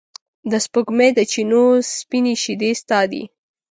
د سپوږمۍ د چېنو سپینې شیدې ستا دي